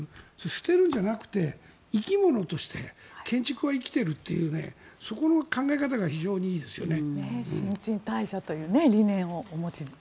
捨てるんじゃなくて生き物として建築は生きているというそこの考え方が新陳代謝という理念をお持ちで。